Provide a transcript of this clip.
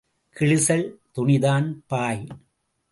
கிழிசல் துணிதான் பாய்.